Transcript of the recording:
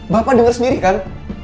bapak dengar sendiri kan